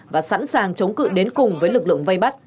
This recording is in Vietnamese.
và sẵn sàng chống cự đến cùng với lực lượng vây bắt